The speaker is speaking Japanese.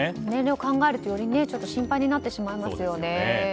年齢を考えるとより心配になってしまいますよね。